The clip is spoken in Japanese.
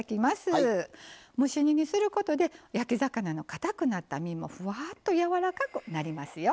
蒸し煮にすることで焼き魚のかたくなった身もふわっとやわらかくなりますよ。